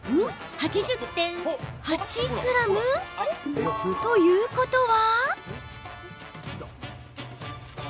８０．８ｇということは。